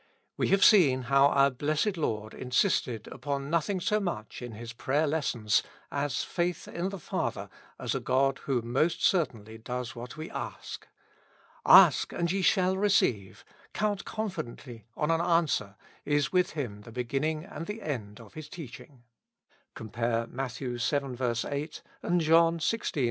We have seen how our Blessed Lord insisted upon no thing so much in His prayer lessons as faith in the Father as a God who most certainly does what we ask. "Ask and ye shall receive;" count confi dently on an answer, is with Him the beginning and 253 With Christ in the School of Prayer. the end of His teaching (compare Matt. vii.